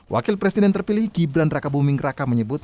wakil presiden terpilih gibran raka buming raka menyebut